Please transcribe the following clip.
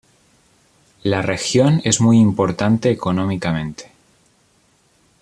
La región es muy importante económicamente.